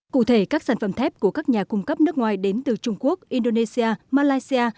cụ thể các sản phẩm thép của các nhà cung cấp nước ngoài đến từ trung quốc indonesia malaysia